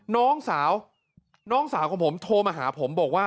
น้องสาวน้องสาวของผมโทรมาหาผมบอกว่า